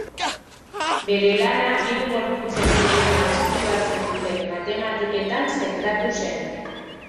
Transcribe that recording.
Bere lana hiru gorputzen problema deskribatzen duten matematiketan zentratu zen.